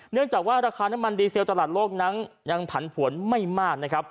เนื่องจากว่าราคาน้ำมันดีเซลตลาดโลกนั้นยังผันผวนไม่มากนะครับ